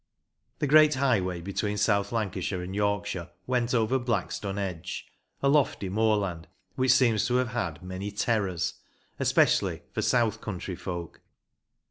The great highway between South Lancashire and Yorkshire went over Blackstone Edge, a lofty moorland, which seems to have had many terrors, especially for OLD TIME TRAVEL IN LANCASHIRE 63 south country folk.